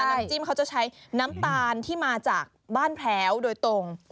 น้ำจิ้มเขาจะใช้น้ำตาลที่มาจากบ้านแพ้วโดยตรง